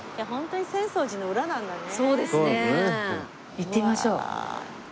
行ってみましょう。